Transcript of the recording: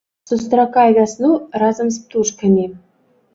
Сустракай вясну разам з птушкамі!